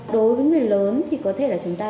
đối với người lớn thì có thể là chúng ta